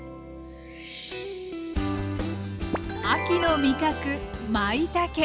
秋の味覚まいたけ。